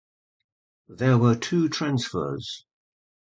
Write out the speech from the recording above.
There were two transfers.